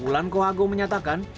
wulan kohago menyatakan